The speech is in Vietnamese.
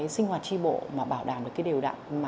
sinh hoạt tri bộ bảo đảm được điều đẳng